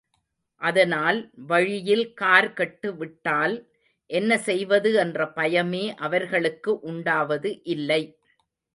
அதனால் வழியில் கார் கெட்டுவிட்டால் என்ன செய்வது என்ற பயமே அவர்களுக்கு உண்டாவது இல்லை.